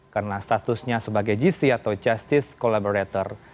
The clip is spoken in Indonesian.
karena statusnya sebagai gc atau justice collaborator